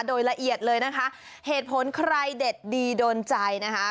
โดยละเอียดเลยนะคะเหตุผลใครเด็ดดีโดนใจนะคะ